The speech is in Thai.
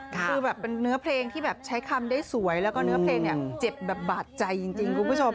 คือแบบเป็นเนื้อเพลงที่แบบใช้คำได้สวยแล้วก็เนื้อเพลงเนี่ยเจ็บแบบบาดใจจริงคุณผู้ชม